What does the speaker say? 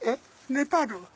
ネパール。